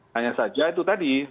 hanya saja itu tadi